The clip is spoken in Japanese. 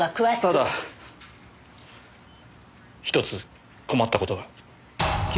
ただ１つ困った事が。